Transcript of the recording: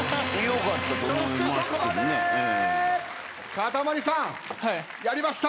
かたまりさんやりました。